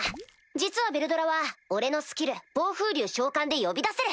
実はヴェルドラは俺のスキル暴風竜召喚で呼び出せる。